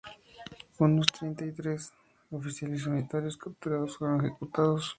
Unos treinta y tres oficiales unitarios capturados fueron ejecutados.